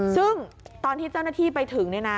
ซึ่งตอนที่เจ้าหน้าที่ไปถึง